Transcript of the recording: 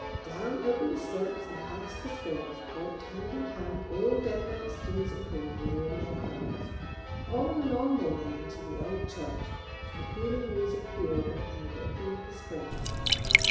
Down over the slopes and past the springs, walked hand in hand all Denmark's kings and queens wearing their crowns. On and on they went into the old church, to the pealing music of the organ, and the rippling of the springs.